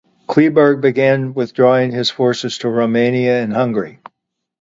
Kleeberg began withdrawing his forces to Romania and Hungary.